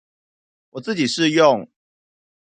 我自己是用